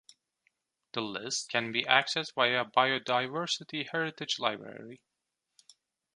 This list can be accessed via the Biodiversity Heritage Library.